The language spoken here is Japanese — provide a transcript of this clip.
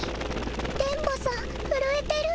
電ボさんふるえてる。